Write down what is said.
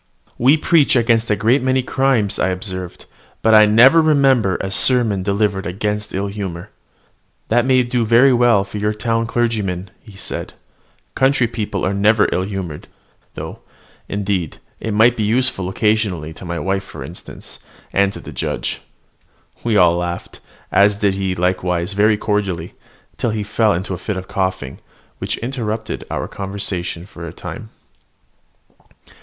"We preach against a great many crimes," I observed, "but I never remember a sermon delivered against ill humour." "That may do very well for your town clergymen," said he: "country people are never ill humoured; though, indeed, it might be useful, occasionally, to my wife for instance, and the judge." We all laughed, as did he likewise very cordially, till he fell into a fit of coughing, which interrupted our conversation for a time.